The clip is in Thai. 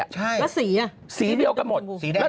ใช่แล้วสีอ่ะสีแดงชมพูสีเดียวกันหมด